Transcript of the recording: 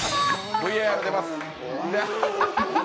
ＶＡＲが出ます。